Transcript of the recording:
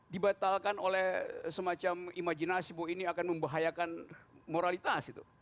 dibatalkan oleh semacam imajinasi bahwa ini akan membahayakan moralitas